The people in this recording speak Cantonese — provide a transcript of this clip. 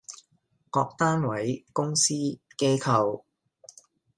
各單位，公司，機構